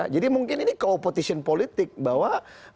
jadi mungkin ini co opetition politik bahwa